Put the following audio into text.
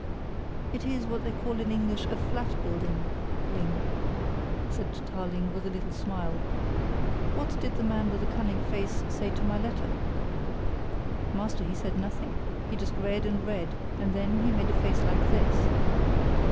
"It is what they call in English a 'flat building,' Ling," said Tarling with a little smile. "What did the Man with the Cunning Face say to my letter?" "Master, he said nothing. He just read and read, and then he made a face like this."